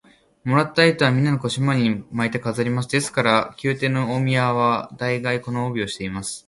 もらった糸は、みんな腰のまわりに巻いて飾ります。ですから、宮廷の大官は大がい、この帯をしています。